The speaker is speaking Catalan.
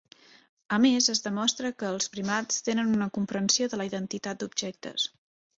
A més, es demostra que els primats tenen una comprensió de la identitat d'objectes.